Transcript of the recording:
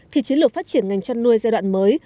thì chiến lược phát triển ngành chăn nuôi giai đoạn mới